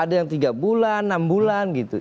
ada yang tiga bulan enam bulan gitu